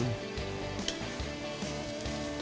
นะครับ